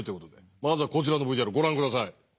まずはこちらのＶＴＲご覧下さい。